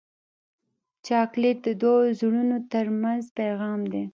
چاکلېټ د دوو زړونو ترمنځ پیغام دی.